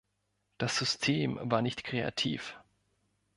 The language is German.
Das System war nicht kreativ.